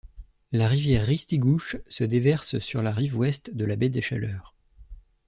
La rivière Ristigouche se déverse sur la rive Ouest de la Baie-des-Chaleurs.